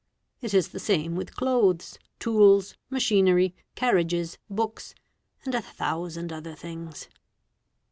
It is the same with clothes, tools, machinery, carriage books, and a thousand other things.